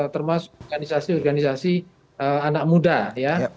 termasuk organisasi organisasi anak muda ya